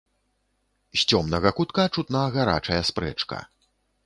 З цёмнага кутка чутна гарачая спрэчка.